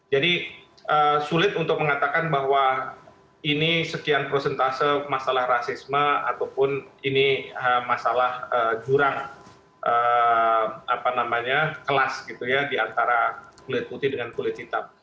jadi sulit untuk mengatakan bahwa ini sekian prosentase masalah rasisme ataupun ini masalah jurang kelas di antara kulit putih dengan kulit hitam